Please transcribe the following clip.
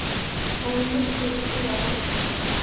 Qani, yur, ko‘zi ko‘r odam